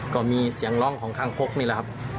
ก็มีเสียงร้องของคางคกนี่แหละครับ